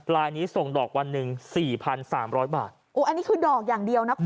ลายนี้ส่งดอกวันหนึ่ง๔๓๐๐บาทโอ๊ยอันนี้คือดอกอย่างเดียวนะคุณ